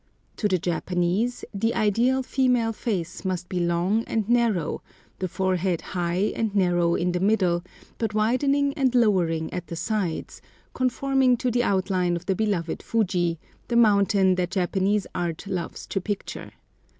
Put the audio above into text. To the Japanese, the ideal female face must be long and narrow; the forehead high and narrow in the middle, but widening and lowering at the sides, conforming to the outline of the beloved Fuji, the mountain that Japanese art loves to picture.